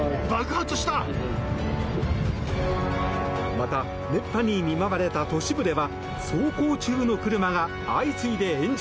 また、熱波に見舞われた都市部では走行中の車が相次いで炎上。